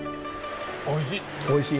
おいしい。